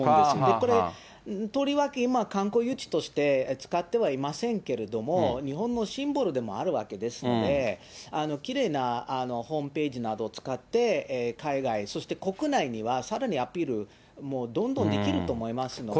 これ、とりわけ、今、観光誘致として使ってはいませんけれども、日本のシンボルでもあるわけですので、きれいなホームページなどを使って、海外、そして国内にはさらにアピール、もうどんどんできると思いますので。